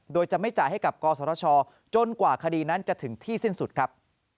โดยจะไม่จ่ายให้กับกศชจนกว่าคดีนั้นจะถึงที่สิ้นสุดครับ